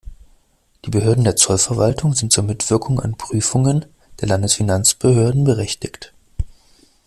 Die Behörden der Zollverwaltung sind zur Mitwirkung an Prüfungen der Landesfinanzbehörden berechtigt.